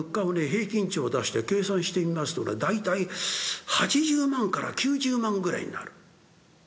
平均値を出して計算してみますと大体８０万から９０万ぐらいになる。